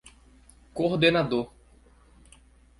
coordenador